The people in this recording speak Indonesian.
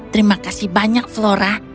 terima kasih banyak flora